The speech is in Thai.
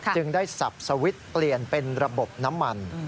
จึงได้สับสวิตช์เปลี่ยนเป็นระบบน้ำมัน